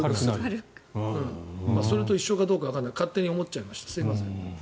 それと一緒かどうかわからないけど勝手に思っちゃいましたすいません。